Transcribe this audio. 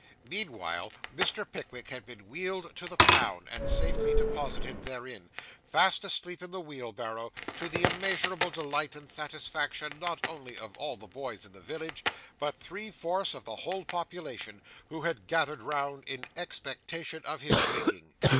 Meanwhile Mr. Pickwick had been wheeled to the Pound, and safely deposited therein, fast asleep in the wheel barrow, to the immeasurable delight and satisfaction not only of all the boys in the village, but three fourths of the whole population, who had gathered round, in expectation of his waking.